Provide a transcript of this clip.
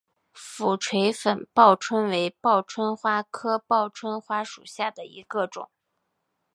俯垂粉报春为报春花科报春花属下的一个种。